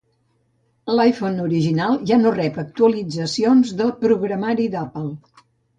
L'iPhone original ja no rep actualitzacions de programari d'Apple.